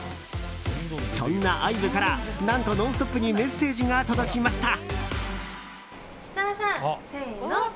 そんなＩＶＥから何と「ノンストップ！」にメッセージが届きました。